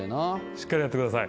しっかりやってください